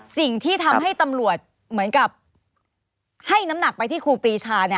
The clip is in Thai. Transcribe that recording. สิ่งที่ทำให้ตำรวจเหมือนกับให้น้ำหนักไปที่ครูปรีชา